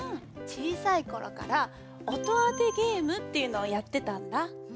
ちいさいころから音あてゲームっていうのをやってたんだ。